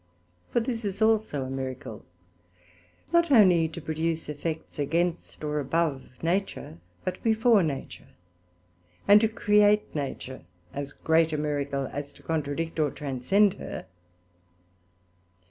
For this is also a Miracle, not onely to produce effects against, or above Nature, but before Nature; and to create Nature as great a Miracle as to contradict or transcend her.